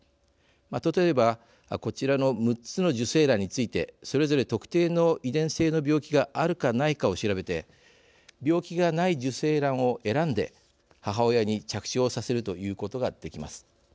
例えばこちらの６つの受精卵についてそれぞれ特定の遺伝性の病気があるかないかを調べて病気がない受精卵を選んで母親に着床させるということができます。